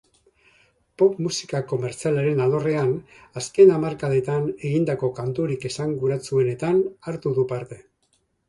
Pop musika komertzialaren alorrean, azken hamarkadetan egindako kanturik esanguratsuenetan hartu du parte.